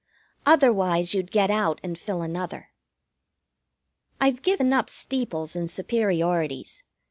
Otherwise you'd get out and fill another. I've given up steeples and superiorities.